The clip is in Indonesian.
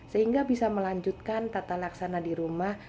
sehingga bisa melanjutkan tata laksana di rumah